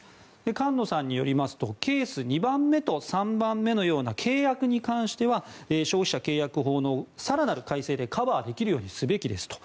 菅野さんによりますとケース２番目と３番目のような契約に関しては消費者契約法の更なる改正でカバーできるようにすべきですと。